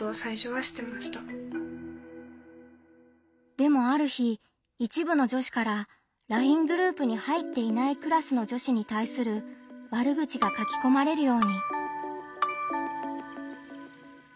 でもある日一部の女子からＬＩＮＥグループに入っていないクラスの女子に対する悪口が書きこまれるように。